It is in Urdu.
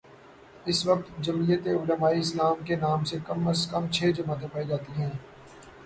اس وقت جمعیت علمائے اسلام کے نام سے کم از کم چھ جماعتیں پائی جا تی ہیں۔